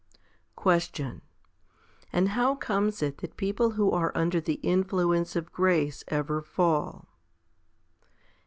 4. Question. And how comes it that people who are under the influence of grace ever fall